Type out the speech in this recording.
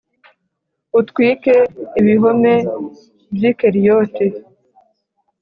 utwike ibihome by i Keriyoti